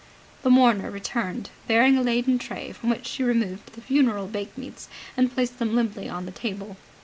The mourner returned, bearing a laden tray, from which she removed the funeral bakemeats and placed them limply on the table.